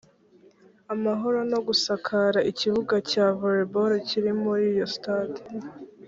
amahoro no gusakara ikibuga cya volleyball kiri kuri iyo sitade